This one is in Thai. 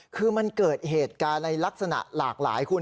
คือมันเกิดเหตุการณ์ในลักษณะหลากหลายคุณ